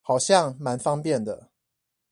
好像滿方便的